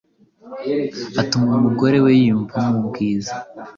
Atuma umugore we yiyumvamo ubwiza: